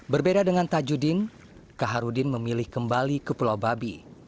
berbeda dengan tajudin kaharudin memilih kembali ke pulau babi